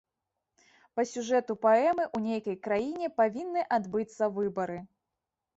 Па сюжэту паэмы ў нейкай краіне павінны адбыцца выбары.